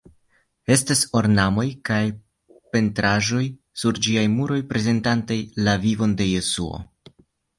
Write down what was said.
Estas ornamoj kaj pentraĵoj sur ĝiaj muroj prezentantaj la vivon de Jesuo.